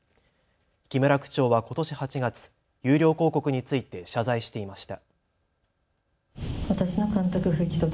木村区長はことし８月、有料広告について謝罪していました。